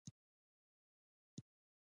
څه چټياټ وايي.